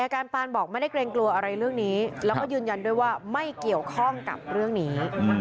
การปานบอกไม่ได้เกรงกลัวอะไรเรื่องนี้แล้วก็ยืนยันด้วยว่าไม่เกี่ยวข้องกับเรื่องนี้